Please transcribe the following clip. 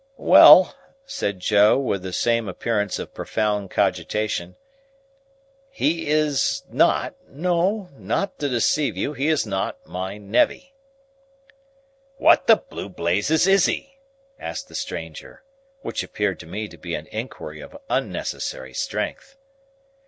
"Well," said Joe, with the same appearance of profound cogitation, "he is not—no, not to deceive you, he is not—my nevvy." "What the Blue Blazes is he?" asked the stranger. Which appeared to me to be an inquiry of unnecessary strength.